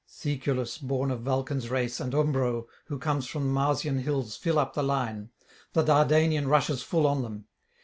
Caeculus, born of Vulcan's race, and Umbro, who comes from the Marsian hills, fill up the line. The Dardanian rushes full on them.